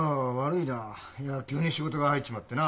いや急に仕事が入っちまってな。